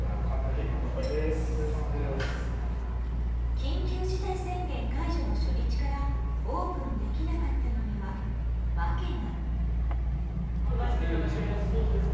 緊急事態宣言解除の初日からオープンできなかったのには訳が。